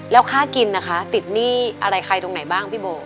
แล้วค่ากินนะคะติดหนี้อะไรใครตรงไหนบ้างพี่โบ